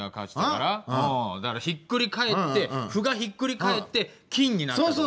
だからひっくり返って「歩」がひっくり返って「金」になる。